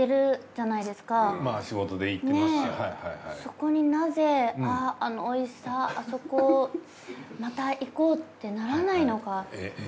そこになぜあのおいしさあそこまた行こうってならないのか。